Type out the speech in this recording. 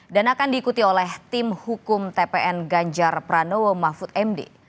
dan akan diikuti oleh tim hukum tpn ganjar pranowo mahfud md